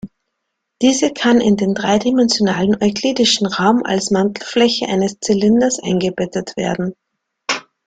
Diese kann in den dreidimensionalen euklidischen Raum als Mantelfläche eines Zylinders eingebettet werden.